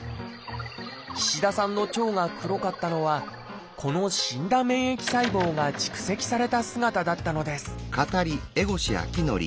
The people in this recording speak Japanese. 岸田さんの腸が黒かったのはこの死んだ免疫細胞が蓄積された姿だったのです